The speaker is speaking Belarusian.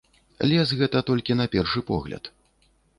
Лес гэта толькі на першы погляд.